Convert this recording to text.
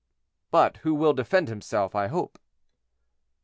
"But who will defend himself, I hope."